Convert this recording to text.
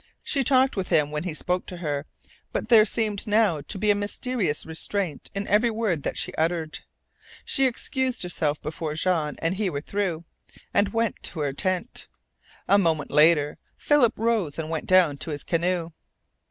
She talked with him when he spoke to her, but there seemed now to be a mysterious restraint in every word that she uttered. She excused herself before Jean and he were through, and went to her tent. A moment later Philip rose and went down to his canoe.